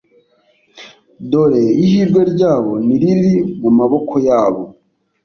dore ihirwe ryabo ntiriri mu maboko yabo